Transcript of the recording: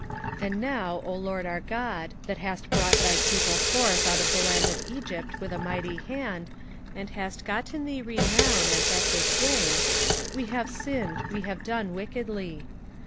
27:009:015 And now, O Lord our God, that hast brought thy people forth out of the land of Egypt with a mighty hand, and hast gotten thee renown, as at this day; we have sinned, we have done wickedly.